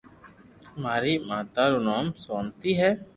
ماري مات ارو نوم سونتي ھي